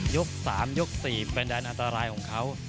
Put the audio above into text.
ยก๓ยก๔แบนดาลอันตรายของเขา